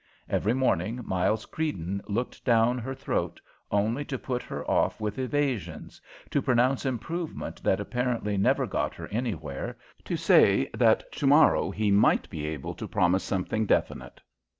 Every morning Miles Creedon looked down her throat, only to put her off with evasions, to pronounce improvement that apparently never got her anywhere, to say that tomorrow he might be able to promise something definite.